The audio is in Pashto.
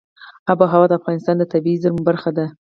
آب وهوا د افغانستان د طبیعي زیرمو برخه ده.